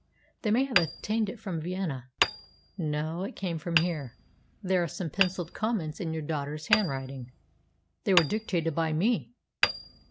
"They may have obtained it from Vienna." "No; it came from here. There are some pencilled comments in your daughter's handwriting." "They were dictated by me."